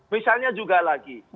misalnya juga lagi